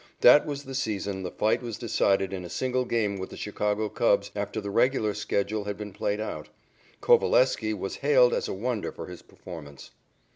That was the season the fight was decided in a single game with the Chicago Cubs after the regular schedule had been played out. Coveleski was hailed as a wonder for his performance.